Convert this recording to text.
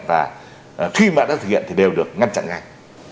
và khi mà đã thực hiện thì đều được ngăn chặn ngay